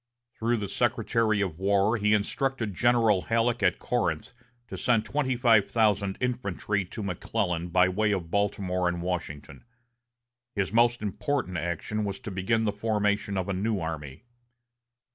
Through the Secretary of War he instructed General Halleck at Corinth to send twenty five thousand infantry to McClellan by way of Baltimore and Washington. His most important action was to begin the formation of a new army.